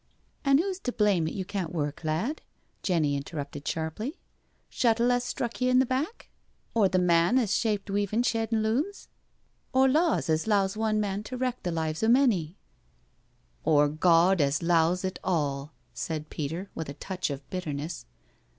"An* who's to blame at you can't work, lad?" Jenny interrupted sharply. " Shuttle as struck ye in the back?— Or the man as shaped weavin' shed and looms? — Or laws as 'lows one man to wreck the lives o' many? ..•"" Or Gawd as 'lows it all?" said Peter, with a touch of bitterness.